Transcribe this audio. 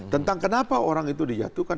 tentang kenapa orang itu dijatuhkan